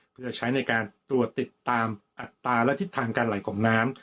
เพื่อใช้ในการตรวจติดตามอัตราและทิศทางการไหลของน้ำ